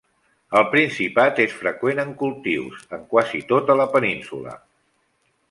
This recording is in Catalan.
Al Principat és freqüent en cultius, en quasi tota la península.